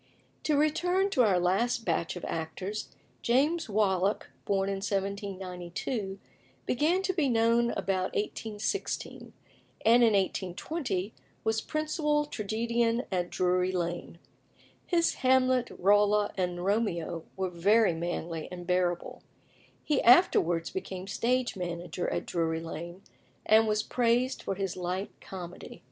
To return to our last batch of actors. James Wallack, born in 1792, began to be known about 1816, and in 1820 was principal tragedian at Drury Lane. His Hamlet, Rolla, and Romeo were very manly and bearable. He afterwards became stage manager at Drury Lane, and was praised for his light comedy.